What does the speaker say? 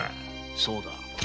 そうだ。